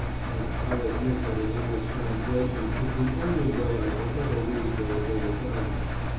Now I'll admit that an English translation is the only way I could ever read those old timers.